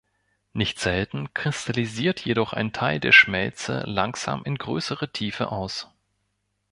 Nicht selten kristallisiert jedoch ein Teil der Schmelze langsam in größerer Tiefe aus.